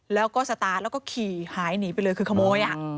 แล้วก็สตาร์ทแล้วก็ขี่หายหนีไปเลยคือขโมย